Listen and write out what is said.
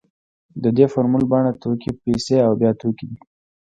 د دې فورمول بڼه توکي پیسې او بیا توکي ده